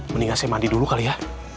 mendingan saya mandi dulu kali ya